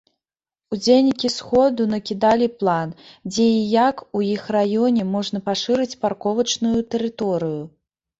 Удзельнікі сходу накідалі план, дзе і як у іх раёне можна пашырыць парковачную тэрыторыю.